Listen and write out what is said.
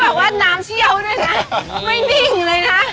แบบว่าน้ำเชี่ยวด้วยนะไม่นิ่งเลยนะ